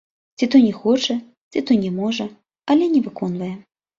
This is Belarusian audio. Ці то не хоча, ці то не можа, але не выконвае.